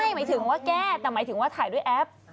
หมายถึงว่าแก้แต่หมายถึงว่าถ่ายด้วยแอป